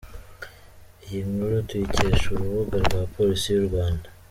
Iyi nkuru tuyikesha urubuga rwa police y’u Rwanda.